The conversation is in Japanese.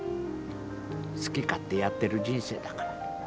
好き勝手やってる人生だから。